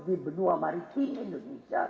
di benua mariki indonesia